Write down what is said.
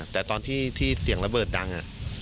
แต่ตอนที่เสียงระเบิดดัง